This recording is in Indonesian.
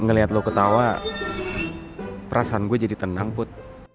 ngelihat lo ketawa perasaan gue jadi tenang put